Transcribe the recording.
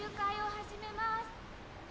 始めます。